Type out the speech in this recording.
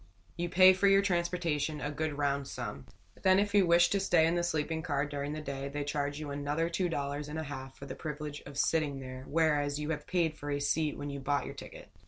You pay for your transportation, a good round sum. Then if you wish to stay in the sleeping car during the day, they charge you another two dollars and a half for the privilege of sitting there, whereas you have paid for a seat when you bought your ticket.